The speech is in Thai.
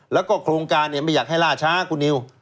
แล้วก็โครงการไม่อยากให้ล่าช้าคุณนิว